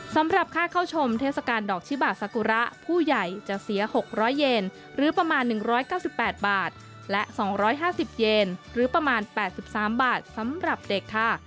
สำหรับค่าเข้าชมเทศกาลดอกชิบาสากุระผู้ใหญ่จะเสีย๖๐๐เยนหรือประมาณ๑๙๘บาทและ๒๕๐เยนหรือประมาณ๘๓บาทสำหรับเด็กค่ะ